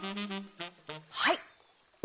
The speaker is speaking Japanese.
はい。